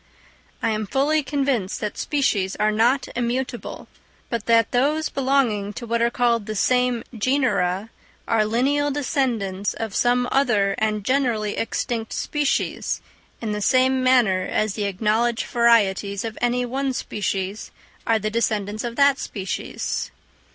I am fully convinced that species are not immutable; but that those belonging to what are called the same genera are lineal descendants of some other and generally extinct species, in the same manner as the acknowledged varieties of any one species are the descendants of that species.